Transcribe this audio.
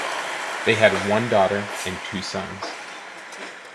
They had one daughter and two sons.